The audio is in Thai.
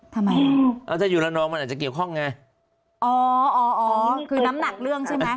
ทำไมแล้วถ้าอยู่ระนองมันอาจจะเกี่ยวข้องไงอ๋ออ๋ออ๋ออ๋อคือน้ำหนักเรื่องใช่ไหม